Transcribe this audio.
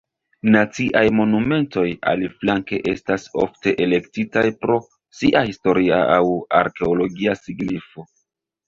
Naciaj Monumentoj, aliflanke, estas ofte elektitaj pro sia historia aŭ arkeologia signifo.